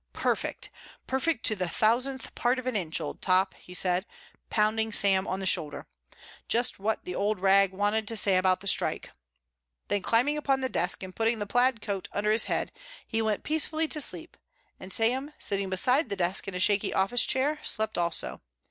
"Perfect! Perfect to the thousandth part of an inch, Old Top," he said, pounding Sam on the shoulder. "Just what the Old Rag wanted to say about the strike." Then climbing upon the desk and putting the plaid coat under his head he went peacefully to sleep, and Sam, sitting beside the desk in a shaky office chair, slept also.